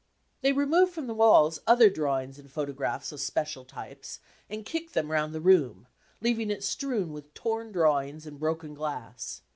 " They removed from the walls other drawings and photo graphs of special types and kicked them round the room, leaving it strewn with torn drawings and broken glass.